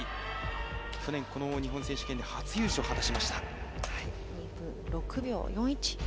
去年、日本選手権で初優勝を果たしました。